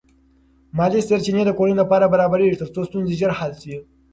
مالی سرچینې د کورنۍ لپاره برابرېږي ترڅو ستونزې ژر حل شي.